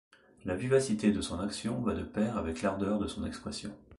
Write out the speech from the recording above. La vivacité de son action va de pair avec l’ardeur de son expression.